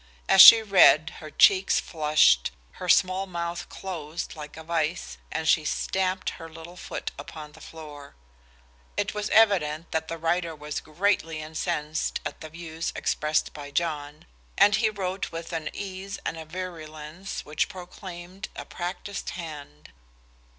As she read, her cheek flushed, her small mouth closed like a vise, and she stamped her little foot upon the floor. It was evident that the writer was greatly incensed at the views expressed by John, and he wrote with an ease and a virulence which proclaimed a practiced hand.